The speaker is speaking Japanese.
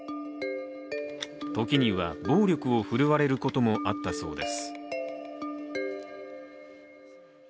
時には暴力を振るわれることもあったそうです。